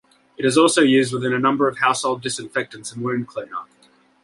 It is also used within a number of household disinfectants and wound cleaner.